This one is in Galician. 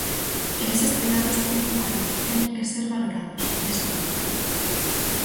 E eses coidados teñen un valor, teñen que ser valorados, destaca.